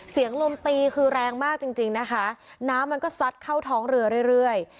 ลมตีคือแรงมากจริงจริงนะคะน้ำมันก็ซัดเข้าท้องเรือเรื่อย